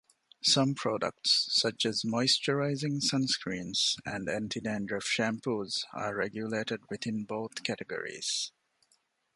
Some products, such as moisturizing sunscreens and anti-dandruff shampoos, are regulated within both categories.